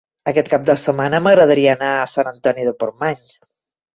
Aquest cap de setmana m'agradaria anar a Sant Antoni de Portmany.